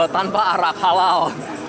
tanpa arak halal